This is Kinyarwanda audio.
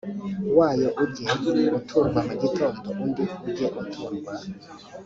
wayo ujye uturwa mu gitondo undi ujye uturwa